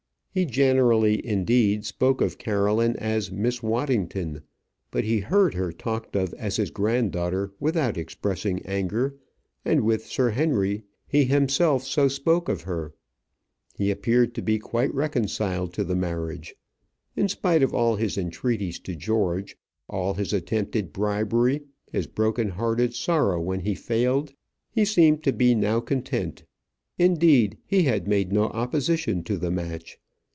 He generally, indeed, spoke of Caroline as Miss Waddington; but he heard her talked of as his granddaughter without expressing anger, and with Sir Henry he himself so spoke of her. He appeared to be quite reconciled to the marriage. In spite of all his entreaties to George, all his attempted bribery, his broken hearted sorrow when he failed, he seemed to be now content. Indeed, he had made no opposition to the match.